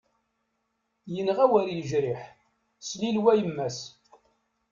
Yenɣa wer yejriḥ, slilew a yemma-s.